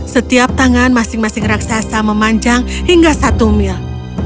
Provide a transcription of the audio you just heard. setiap tangan masing masing raksasa memanjang hingga satu mil